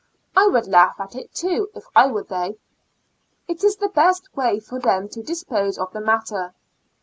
I would laugh at it too if I were they; it is the best way for them to dispose of the matter.